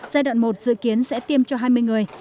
giai đoạn một dự kiến sẽ tiêm cho hai mươi người